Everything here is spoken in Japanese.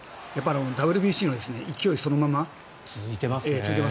ＷＢＣの勢いそのまま続いていますね。